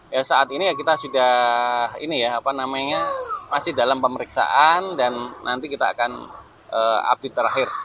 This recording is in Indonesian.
ya saat ini ya kita sudah ini ya apa namanya masih dalam pemeriksaan dan nanti kita akan update terakhir